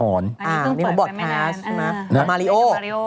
อันนี้ก็เปิดไปไม่นานอันนี้ก็มาริโอ